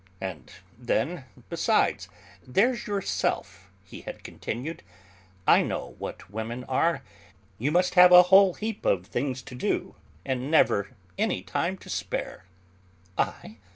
"And then, besides, there's yourself " he had continued, "I know what women are; you must have a whole heap of things to do, and never any time to spare." "I?